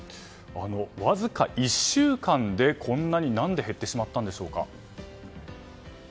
わずか１週間でこんなに何で減ってしまったんでしょうか。